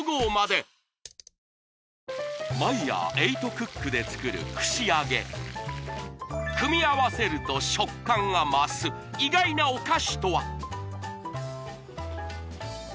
クックで作る串揚げ組み合わせると食感が増す意外なお菓子とは！？